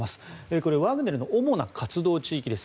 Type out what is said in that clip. これはワグネルの主な活動地域です。